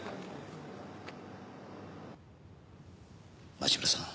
町村さん